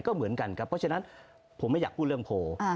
ก็เหมือนกันครับเพราะฉะนั้นผมไม่อยากพูดเรื่องโพล